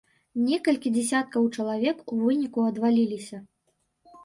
Некалькі дзясяткаў чалавек у выніку адваліліся.